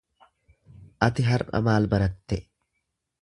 Ati har’a maal baratte?